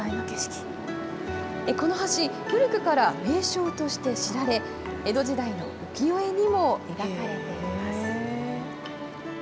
この橋、古くから名勝として知られ、江戸時代の浮世絵にも描かれています。